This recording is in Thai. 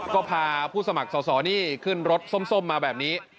ก็พาผู้สมัครสอสอนี่ขึ้นรถส้มมาแบบนี้